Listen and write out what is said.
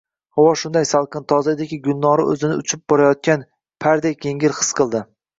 Havo shunday salqin, toza ediki, Gulnora oʼzini uchib borayotgan pardek yengil his qildi.